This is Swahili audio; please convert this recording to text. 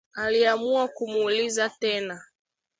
Aliamua kumuuliza tena